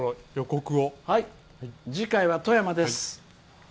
次回は富山です。